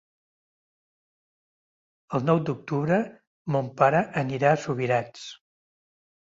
El nou d'octubre mon pare anirà a Subirats.